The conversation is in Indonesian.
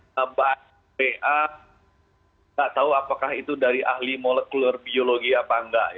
saya tidak tahu apakah itu dari ahli molekuler biologi atau tidak